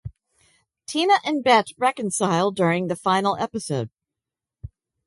Tina and Bette reconcile during the final episode.